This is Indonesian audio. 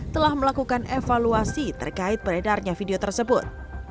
telah melakukan evaluasi terkait beredarnya video tersebut